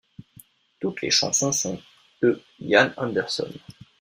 Toutes les chansons sont de Ian Anderson.